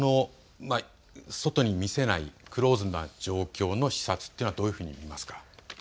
外に見せない、クローズな状況の視察というのはどういうふうに見ますか。